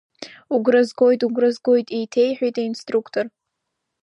Угәра згоит, угәра згоит, еиҭеиҳәеит аинструктор.